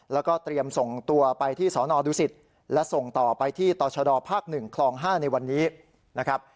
แล้วก็เตรียมส่งตัวไปที่สนดุสิตและส่งต่อไปที่ต่อชดภาค๑คลอง๕ในวันนี้นะครับ